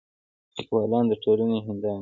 لیکوالان د ټولنې هنداره ده.